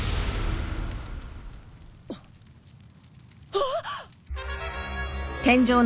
あっ！？